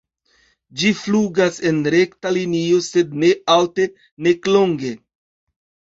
Ĝi flugas en rekta linio, sed ne alte nek longe.